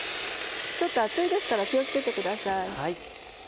ちょっと熱いですから気を付けてください。